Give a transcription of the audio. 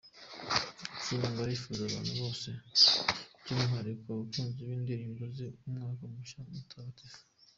Ikindi ngo arifuriza abantu bose by’ umwihariko abakunzi b’indirimbo ze Umwaka mushya mutagatifu.